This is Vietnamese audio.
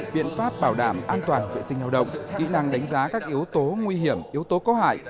biện pháp bảo đảm an toàn vệ sinh lao động kỹ năng đánh giá các yếu tố nguy hiểm yếu tố có hại